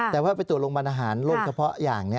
แต่ว่าไปตรวจโรงพยาบาลอาหารโรคเฉพาะอย่างนี้